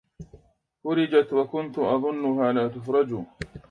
فُرِجَت وَكُنتُ أَظُنُّها لا تُفرَجُ